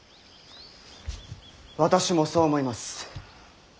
私もそう思います。